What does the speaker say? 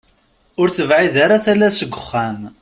Ur tebɛid ara tala seg uxxam.